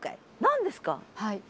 何ですか？